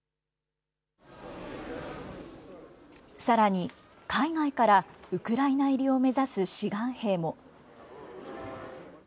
さらに、海外からウクライナ入りを目指す志願兵も。